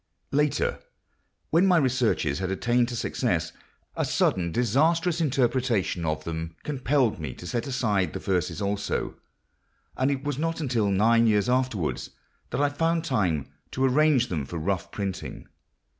Later, when my researches had attained to success, a sudden disastrous interruption of them compelled me to set aside the verses also, and it was not until nine years afterwards that I found time to arrange them for rough printing.